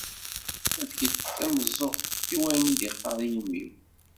Efk-d tameẓẓuɣt i wayen i d-iqqar yimi-w!